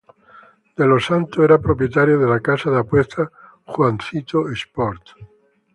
De los Santos era propietario de la casa de apuestas Juancito Sport.